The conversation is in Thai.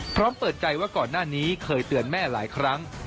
พร้อมเปิดใจว่าก่อนหน้านี้เคยเตือนแม่หลายครั้ง